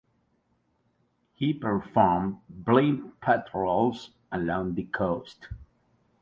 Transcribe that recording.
He performed blimp patrols along the coast.